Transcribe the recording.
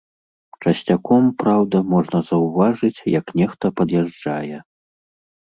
Часцяком, праўда, можна заўважыць, як нехта пад'язджае.